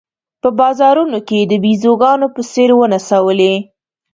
په بازارونو کې د بېزوګانو په څېر ونڅولې.